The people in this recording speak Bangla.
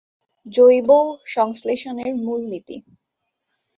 জৈব সংশ্লেষণের মূলনীতি।